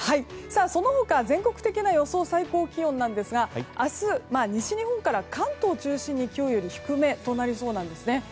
その他、全国的な予報なんですが西日本から関東を中心に今日より低めとなりそうです。